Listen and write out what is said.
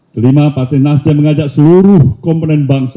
kelima partai nasdem mengajak seluruh komponen bangsa